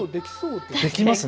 できますね。